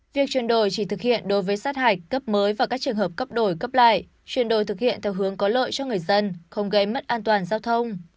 việc chuyển đổi chỉ thực hiện đối với sát hạch cấp mới và các trường hợp cấp đổi cấp lại chuyển đổi thực hiện theo hướng có lợi cho người dân không gây mất an toàn giao thông